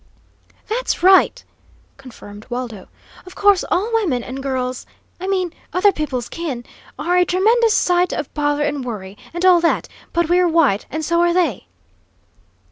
"That's right," confirmed Waldo. "Of course all women and girls I mean other people's kin are a tremendous sight of bother and worry, and all that; but we're white, and so are they."